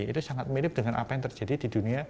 itu sangat mirip dengan apa yang terjadi di dunia